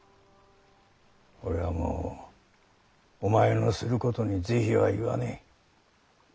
俺はもうお前のすることに是非は言わねぇ。